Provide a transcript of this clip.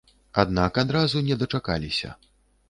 Аднак адказу не дачакаліся.